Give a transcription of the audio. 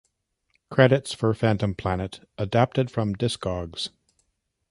Credits for "Phantom Planet" adapted from Discogs.